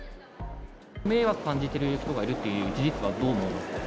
迷惑感じている人がいるっていう事実はどう思いますか？